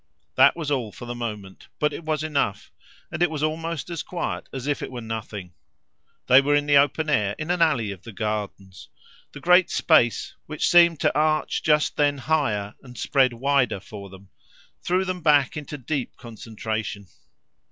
That was all, for the moment, but it was enough, and it was almost as quiet as if it were nothing. They were in the open air, in an alley of the Gardens; the great space, which seemed to arch just then higher and spread wider for them, threw them back into deep concentration.